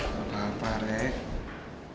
gak apa apa rek